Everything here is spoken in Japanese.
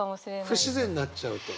不自然になっちゃうと？